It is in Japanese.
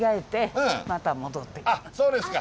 そうですか。